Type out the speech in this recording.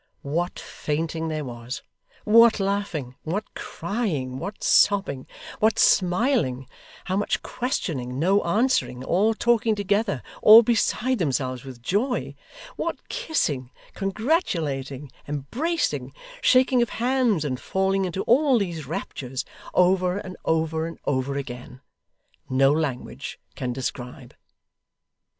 What fainting there was, what laughing, what crying, what sobbing, what smiling, how much questioning, no answering, all talking together, all beside themselves with joy; what kissing, congratulating, embracing, shaking of hands, and falling into all these raptures, over and over and over again; no language can describe.